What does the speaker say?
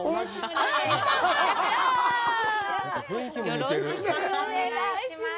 よろしくお願いします。